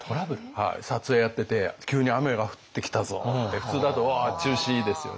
撮影やってて急に雨が降ってきたぞって普通だと中止ですよね。